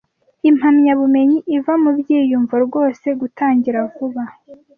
Impamyabumenyi iva mubyiyumvo Rwose gutangira vuba